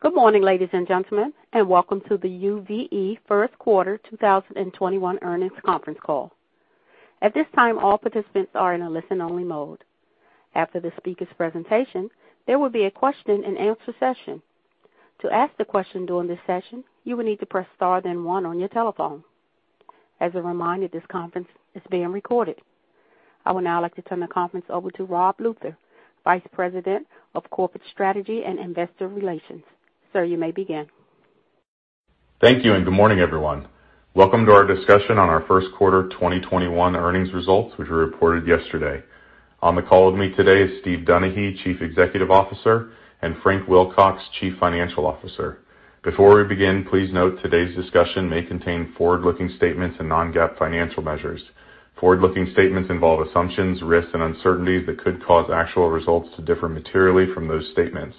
Good morning, ladies and gentlemen, and welcome to the UVE first quarter 2021 earnings conference call. At this time, all participants are in a listen-only mode. After the speaker's presentation, there will be a question and answer session. To ask the question during this session, you will need to press star then one on your telephone. As a reminder, this conference is being recorded. I would now like to turn the conference over to Rob Luther, Vice President of Corporate Strategy and Investor Relations. Sir, you may begin. Thank you, and good morning, everyone. Welcome to our discussion on our first quarter 2021 earnings results, which were reported yesterday. On the call with me today is Steve Donaghy, Chief Executive Officer, and Frank Wilcox, Chief Financial Officer. Before we begin, please note today's discussion may contain forward-looking statements and non-GAAP financial measures. Forward-looking statements involve assumptions, risks, and uncertainties that could cause actual results to differ materially from those statements.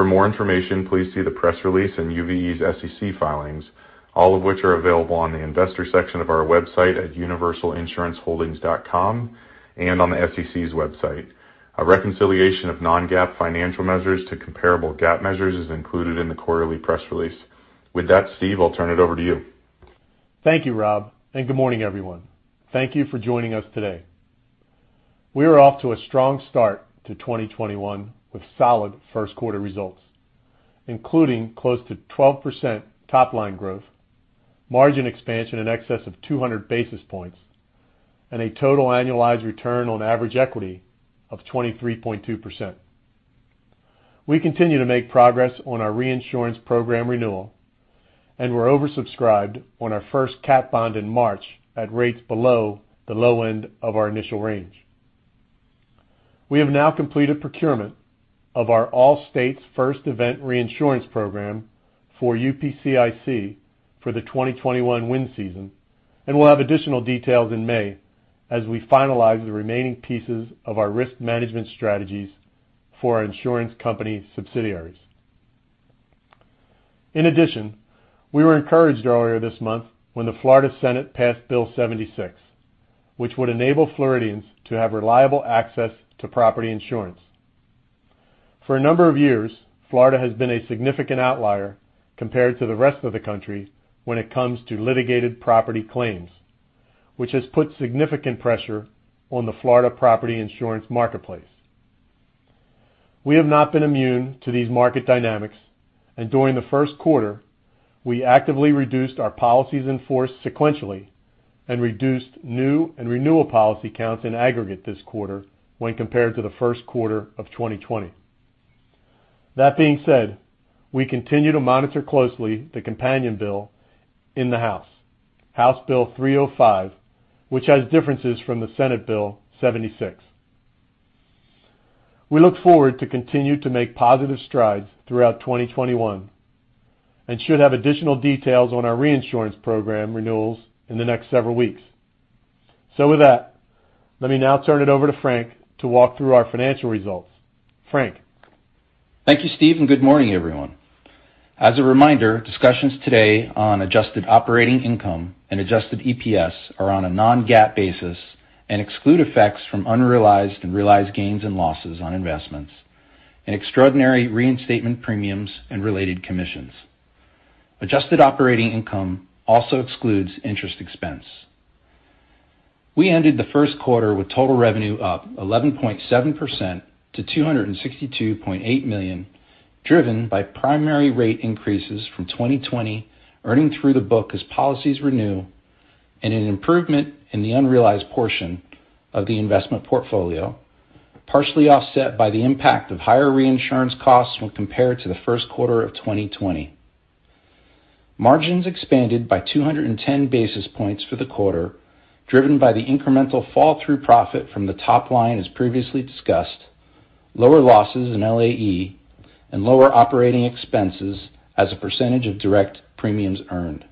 For more information, please see the press release in UVE's SEC filings, all of which are available on the investor section of our website at universalinsuranceholdings.com and on the SEC's website. A reconciliation of non-GAAP financial measures to comparable GAAP measures is included in the quarterly press release. With that, Steve, I'll turn it over to you. Thank you, Rob, and good morning, everyone. Thank you for joining us today. We are off to a strong start to 2021 with solid first quarter results, including close to 12% top-line growth, margin expansion in excess of 200 basis points, and a total annualized return on average equity of 23.2%. We continue to make progress on our reinsurance program renewal, and we're oversubscribed on our first cat bond in March at rates below the low end of our initial range. We have now completed procurement of our all states first event reinsurance program for UPCIC for the 2021 wind season, and we'll have additional details in May as we finalize the remaining pieces of our risk management strategies for our insurance company subsidiaries. In addition, we were encouraged earlier this month when the Florida Senate passed Bill 76, which would enable Floridians to have reliable access to property insurance. For a number of years, Florida has been a significant outlier compared to the rest of the country when it comes to litigated property claims, which has put significant pressure on the Florida property insurance marketplace. We have not been immune to these market dynamics, and during the first quarter, we actively reduced our policies in force sequentially and reduced new and renewal policy counts in aggregate this quarter when compared to the first quarter of 2020. That being said, we continue to monitor closely the companion bill in the House Bill 305, which has differences from the Senate Bill 76. We look forward to continue to make positive strides throughout 2021 and should have additional details on our reinsurance program renewals in the next several weeks. With that, let me now turn it over to Frank to walk through our financial results. Frank. Thank you, Steve, and good morning, everyone. As a reminder, discussions today on adjusted operating income and adjusted EPS are on a non-GAAP basis and exclude effects from unrealized and realized gains and losses on investments and extraordinary reinstatement premiums and related commissions. Adjusted operating income also excludes interest expense. We ended the first quarter with total revenue up 11.7% to $262.8 million, driven by primary rate increases from 2020 earning through the book as policies renew, and an improvement in the unrealized portion of the investment portfolio, partially offset by the impact of higher reinsurance costs when compared to the first quarter of 2020. Margins expanded by 210 basis points for the quarter, driven by the incremental fall through profit from the top line as previously discussed, lower losses and LAE, and lower operating expenses as a percentage of direct premiums earned.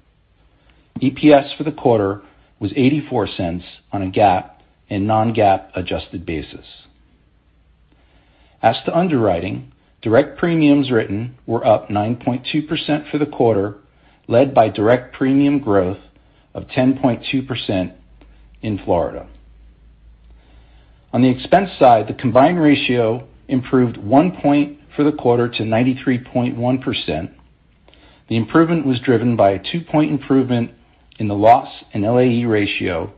EPS for the quarter was $0.84 on a GAAP and non-GAAP adjusted basis. As to underwriting, direct premiums written were up 9.2% for the quarter, led by direct premium growth of 10.2% in Florida. On the expense side, the combined ratio improved one point for the quarter to 93.1%. The improvement was driven by a two-point improvement in the loss and LAE ratio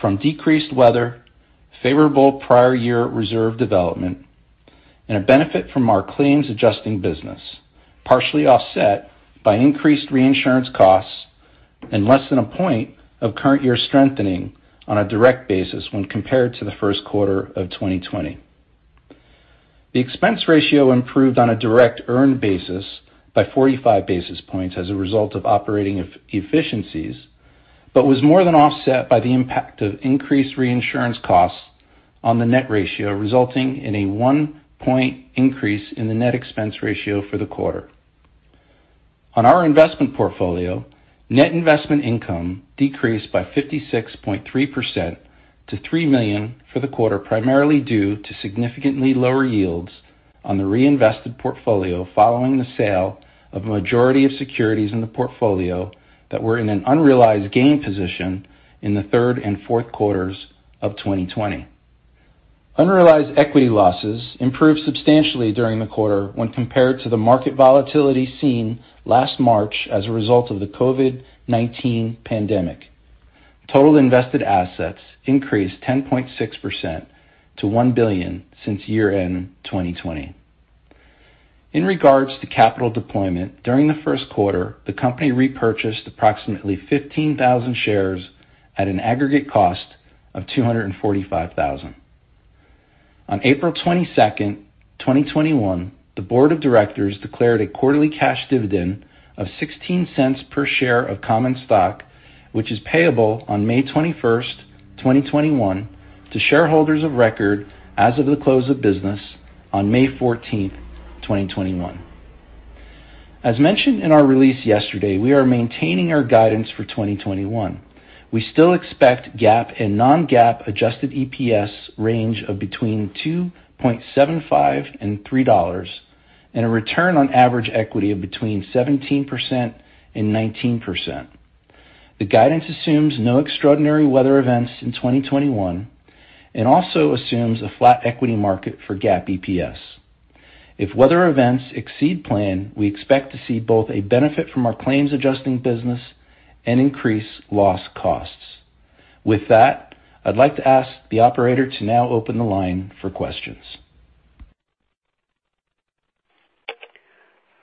from decreased weather, favorable prior year reserve development, and a benefit from our claims adjusting business, partially offset by increased reinsurance costs and less than a point of current year strengthening on a direct basis when compared to the first quarter of 2020. The expense ratio improved on a direct earned basis by 45 basis points as a result of operating efficiencies, but was more than offset by the impact of increased reinsurance costs on the net ratio, resulting in a one-point increase in the net expense ratio for the quarter. On our investment portfolio, net investment income decreased by 56.3% to $3 million for the quarter, primarily due to significantly lower yields on the reinvested portfolio following the sale of a majority of securities in the portfolio that were in an unrealized gain position in the third and fourth quarters of 2020. Unrealized equity losses improved substantially during the quarter when compared to the market volatility seen last March as a result of the COVID-19 pandemic. Total invested assets increased 10.6% to $1 billion since year-end 2020. In regards to capital deployment, during the first quarter, the company repurchased approximately 15,000 shares at an aggregate cost of $245,000. On April 22nd, 2021, the board of directors declared a quarterly cash dividend of $0.16 per share of common stock, which is payable on May 31st, 2021, to shareholders of record as of the close of business on May 14th, 2021. As mentioned in our release yesterday, we are maintaining our guidance for 2021. We still expect GAAP and non-GAAP adjusted EPS range of between $2.75 and $3 and a return on average equity of between 17% and 19%. The guidance assumes no extraordinary weather events in 2021 and also assumes a flat equity market for GAAP EPS. If weather events exceed plan, we expect to see both a benefit from our claims adjusting business and increased loss costs. With that, I'd like to ask the operator to now open the line for questions.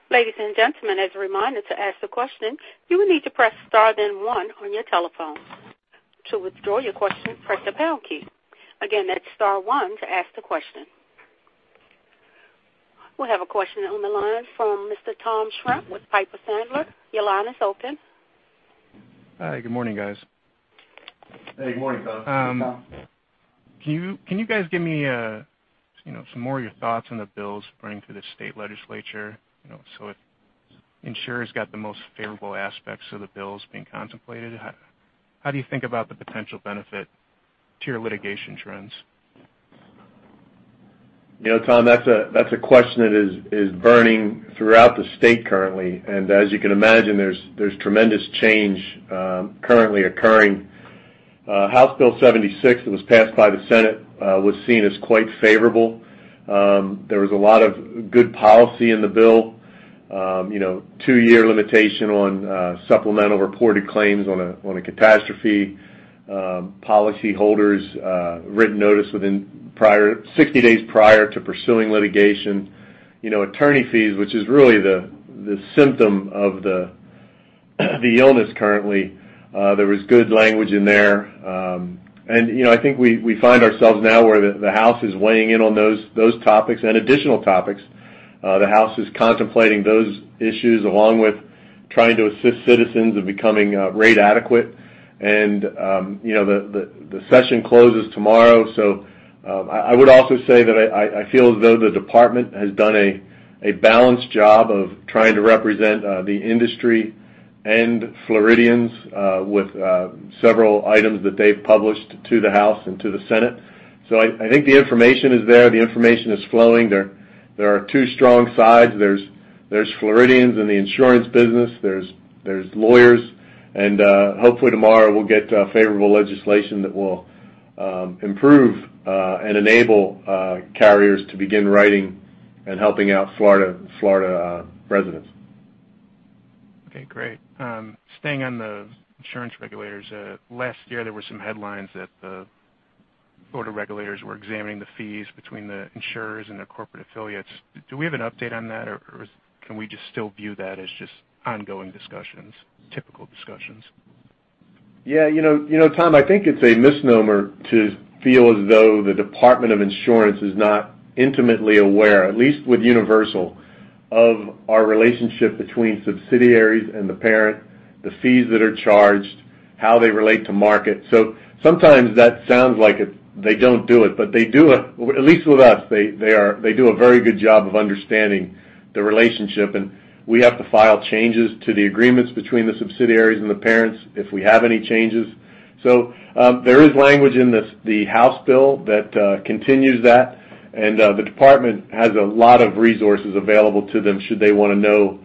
Ladies and gentlemen, as a reminder, to ask the question, you will need to press star then one on your telephone. To withdraw your question, press the pound key. Again, that's star one to ask the question. We have a question on the line from Mr. Paul Newsome with Piper Sandler. Your line is open. Hi. Good morning, guys. Hey, good morning, Paul. Can you guys give me some more of your thoughts on the bills brought into the state legislature? If insurers got the most favorable aspects of the bills being contemplated, how do you think about the potential benefit to your litigation trends? Paul, that's a question that is burning throughout the state currently. As you can imagine, there's tremendous change currently occurring. Senate Bill 76 that was passed by the Senate was seen as quite favorable. There was a lot of good policy in the bill. Two-year limitation on supplemental reported claims on a catastrophe. Policyholders written notice within 60 days prior to pursuing litigation. Attorney fees, which is really the symptom of the illness currently. There was good language in there. I think we find ourselves now where the House is weighing in on those topics and additional topics. The House is contemplating those issues along with trying to assist Citizens in becoming rate adequate. The session closes tomorrow. I would also say that I feel as though the department has done a balanced job of trying to represent the industry and Floridians with several items that they've published to the House and to the Senate. I think the information is there. The information is flowing. There are two strong sides. There's Floridians and the insurance business. There's lawyers. Hopefully tomorrow, we'll get favorable legislation that will improve and enable carriers to begin writing and helping out Florida residents. Okay, great. Staying on the insurance regulators, last year, there were some headlines that the Florida regulators were examining the fees between the insurers and their corporate affiliates. Do we have an update on that, or can we just still view that as just ongoing discussions, typical discussions? Tom, I think it's a misnomer to feel as though the Department of Insurance is not intimately aware, at least with Universal, of our relationship between subsidiaries and the parent, the fees that are charged, how they relate to market. Sometimes that sounds like they don't do it, but they do. At least with us, they do a very good job of understanding the relationship, and we have to file changes to the agreements between the subsidiaries and the parents if we have any changes. There is language in the House bill that continues that, and the department has a lot of resources available to them should they want to know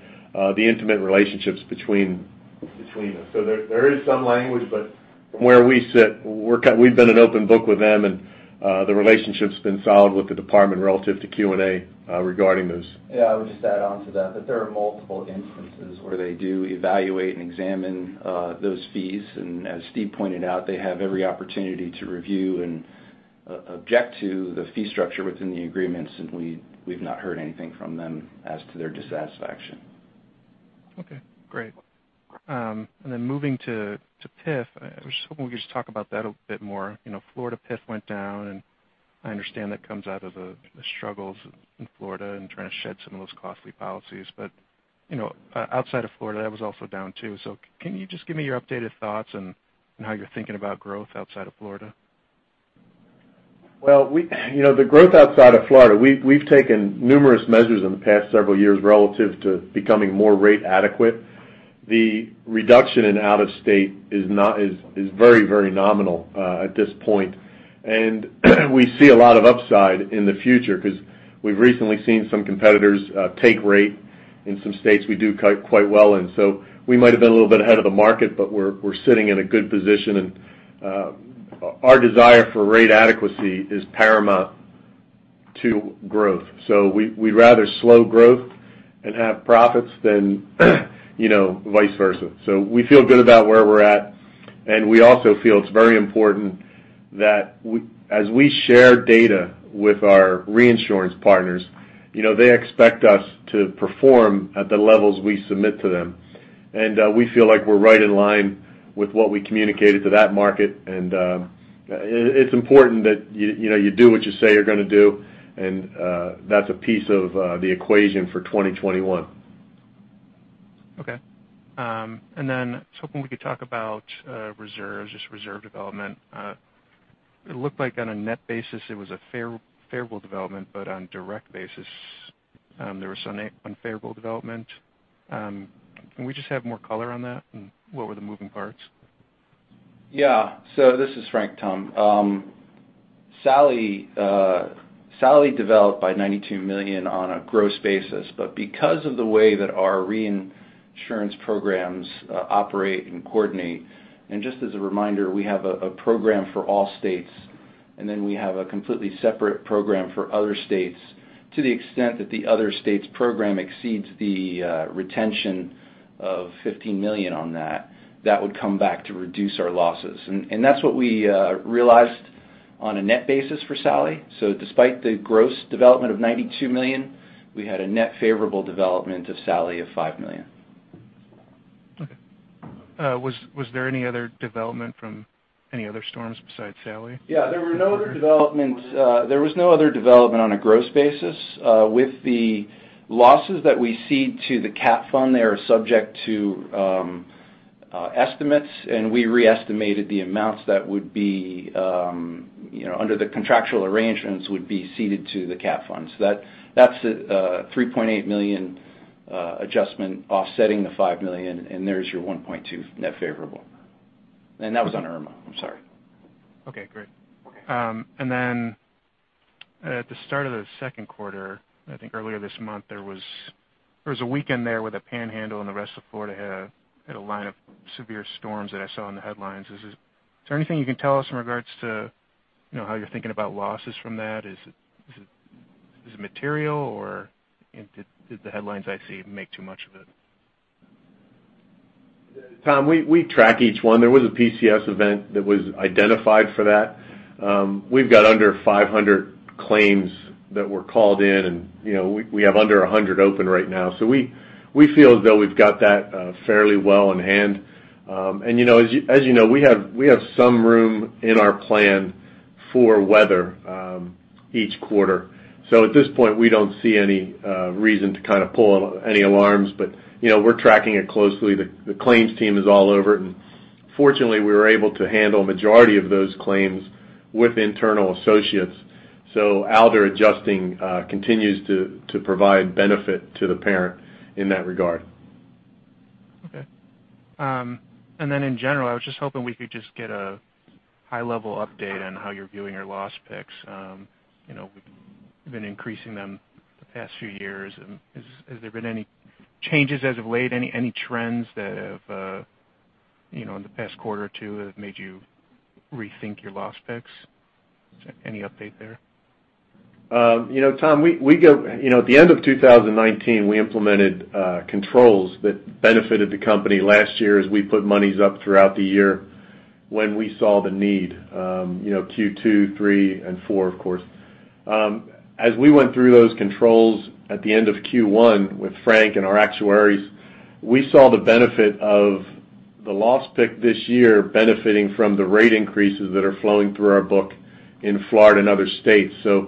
the intimate relationships between us. There is some language, but from where we sit, we've been an open book with them, and the relationship's been solid with the department relative to Q&A regarding those. I would just add on to that there are multiple instances where they do evaluate and examine those fees. As Steve pointed out, they have every opportunity to review and object to the fee structure within the agreements, and we've not heard anything from them as to their dissatisfaction. Okay, great. Moving to PIF, I was hoping we could just talk about that a bit more. Florida PIF went down, and I understand that comes out of the struggles in Florida and trying to shed some of those costly policies. Outside of Florida, that was also down too. Can you just give me your updated thoughts and how you're thinking about growth outside of Florida? Well, the growth outside of Florida, we've taken numerous measures in the past several years relative to becoming more rate adequate. The reduction in out-of-state is very nominal at this point. We see a lot of upside in the future because we've recently seen some competitors take rate. In some states, we do quite well in. We might have been a little bit ahead of the market, but we're sitting in a good position, and our desire for rate adequacy is paramount to growth. We'd rather slow growth and have profits than vice versa. We feel good about where we're at, and we also feel it's very important that as we share data with our reinsurance partners, they expect us to perform at the levels we submit to them. We feel like we're right in line with what we communicated to that market. It's important that you do what you say you're going to do, and that's a piece of the equation for 2021. Okay. I was hoping we could talk about reserves, just reserve development. It looked like on a net basis, it was a favorable development, but on a direct basis, there was some unfavorable development. Can we just have more color on that? What were the moving parts? Yeah. This is Frank, Paul. Sally developed by $92 million on a gross basis. Because of the way that our reinsurance programs operate and coordinate, and just as a reminder, we have a program for all states, we have a completely separate program for other states to the extent that the other states program exceeds the retention of $15 million on that would come back to reduce our losses. That's what we realized on a net basis for Sally. Despite the gross development of $92 million, we had a net favorable development of Sally of $5 million. Okay. Was there any other development from any other storms besides Sally? Yeah, there was no other development on a gross basis. With the losses that we cede to the catastrophe fund, they are subject to estimates, and we re-estimated the amounts that would be under the contractual arrangements would be ceded to the catastrophe fund. That's a $3.8 million adjustment offsetting the $5 million, and there's your $1.2 million net favorable. That was on Irma, I'm sorry. Okay, great. Okay. At the start of the second quarter, I think earlier this month, there was a weekend there where the Panhandle and the rest of Florida had a line of severe storms that I saw in the headlines. Is there anything you can tell us in regards to how you're thinking about losses from that? Is it material, or did the headlines I see make too much of it? Paul, we track each one. There was a PCS event that was identified for that. We've got under 500 claims that were called in, and we have under 100 open right now. We feel as though we've got that fairly well in hand. As you know, we have some room in our plan for weather each quarter. At this point, we don't see any reason to kind of pull any alarms, but we're tracking it closely. The claims team is all over it, and fortunately, we were able to handle the majority of those claims with internal associates. Alder Adjusting continues to provide benefit to the parent in that regard. Okay. In general, I was just hoping we could just get a high-level update on how you're viewing your loss picks. You've been increasing them the past few years. Has there been any changes as of late? Any trends that have, in the past quarter or two, have made you rethink your loss picks? Any update there? Paul, at the end of 2019, we implemented controls that benefited the company last year as we put monies up throughout the year when we saw the need, Q2, Q3, and Q4, of course. As we went through those controls at the end of Q1 with Frank and our actuaries, we saw the benefit of the loss pick this year benefiting from the rate increases that are flowing through our book in Florida and other states. The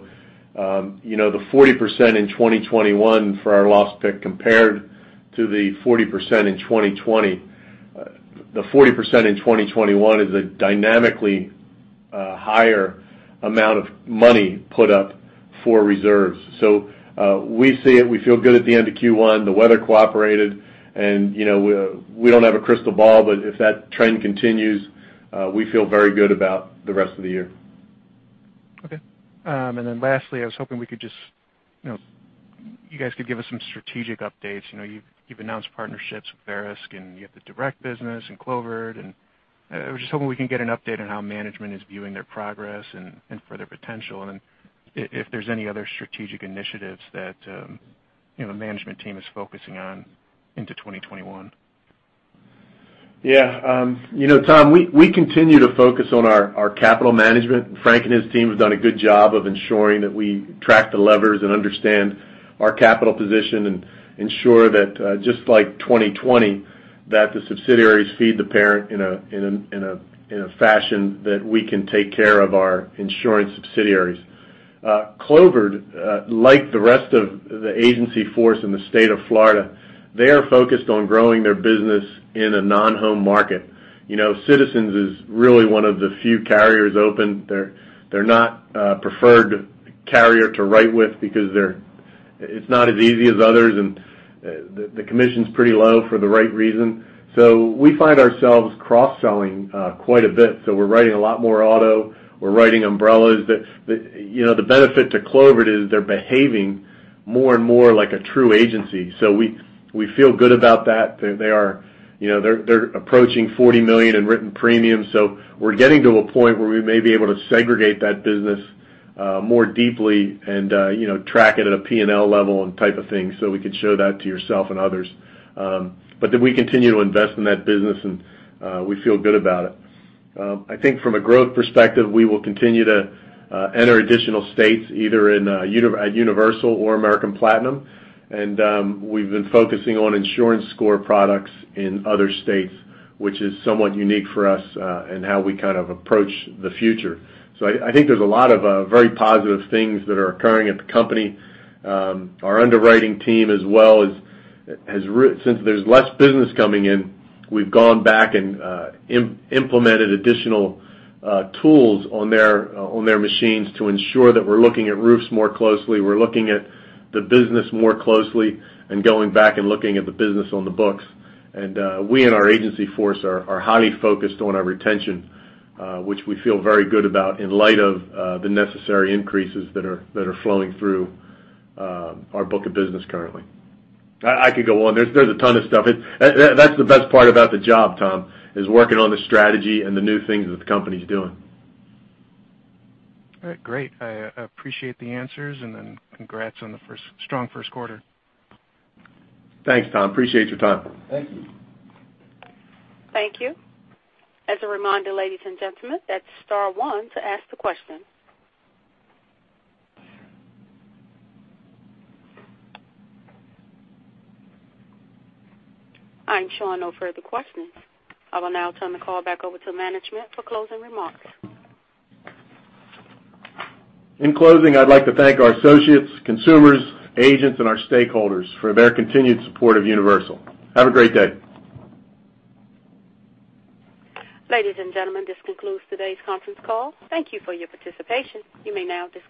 40% in 2021 for our loss pick compared to the 40% in 2020, the 40% in 2021 is a dynamically higher amount of money put up for reserves. We see it. We feel good at the end of Q1. The weather cooperated, and we don't have a crystal ball, but if that trend continues, we feel very good about the rest of the year. Okay. Lastly, I was hoping you guys could give us some strategic updates. You've announced partnerships with Verisk, and you have the direct business and Clovered, and I was just hoping we can get an update on how management is viewing their progress and for their potential, and if there's any other strategic initiatives that the management team is focusing on into 2021. Yeah. Paul, we continue to focus on our capital management. Frank and his team have done a good job of ensuring that we track the levers and understand our capital position and ensure that just like 2020, that the subsidiaries feed the parent in a fashion that we can take care of our insurance subsidiaries. Clovered, like the rest of the agency force in the state of Florida, they are focused on growing their business in a non-home market. Citizens is really one of the few carriers open. They're not a preferred carrier to write with because it's not as easy as others, and the commission's pretty low for the right reason. We find ourselves cross-selling quite a bit. We're writing a lot more auto, we're writing umbrellas. The benefit to Clovered is they're behaving more and more like a true agency. We feel good about that. They're approaching $40 million in written premiums. We're getting to a point where we may be able to segregate that business more deeply and track it at a P&L level and type of thing, so we can show that to yourself and others. We continue to invest in that business, and we feel good about it. I think from a growth perspective, we will continue to enter additional states, either at Universal or American Platinum. We've been focusing on insurance score products in other states, which is somewhat unique for us in how we kind of approach the future. I think there's a lot of very positive things that are occurring at the company. Our underwriting team as well, since there's less business coming in, we've gone back and implemented additional tools on their machines to ensure that we're looking at roofs more closely, we're looking at the business more closely, and going back and looking at the business on the books. We and our agency force are highly focused on our retention, which we feel very good about in light of the necessary increases that are flowing through our book of business currently. I could go on. There's a ton of stuff. That's the best part about the job, Tom, is working on the strategy and the new things that the company's doing. All right, great. I appreciate the answers and then congrats on the strong first quarter. Thanks, Tom. Appreciate your time. Thank you. Thank you. As a reminder, ladies and gentlemen, that's star one to ask the question. I'm showing no further questions. I will now turn the call back over to management for closing remarks. In closing, I'd like to thank our associates, consumers, agents, and our stakeholders for their continued support of Universal. Have a great day. Ladies and gentlemen, this concludes today's conference call. Thank you for your participation. You may now disconnect.